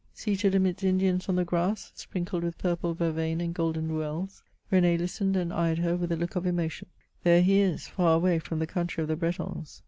Seated amidst Indians on the grass, sprinkled with purple vervain and golden rueUeSy B^n^ listened and eyed her with a look of emotion." There he is, far away from the country of the Bretons.